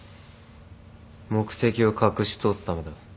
目的を隠し通すためだ。